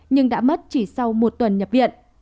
nhưng đã mất chỉ sau một tuần nhập viện